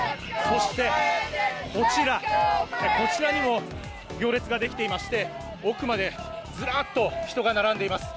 そして、こちら、こちらにも行列が出来ていまして、奥までずらっと人が並んでいます。